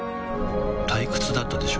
退屈だったでしょう？